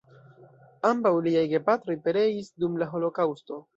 Ambaŭ liaj gepatroj pereis dum la Holokaŭsto.